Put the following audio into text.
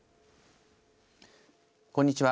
こんにちは。